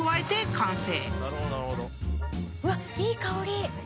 うわっいい香り！